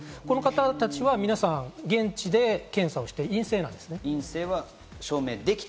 この方たちは現地で検査をして陰性なんですね。